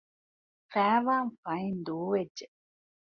ފައިވާން ފައިން ދޫވެއްޖެ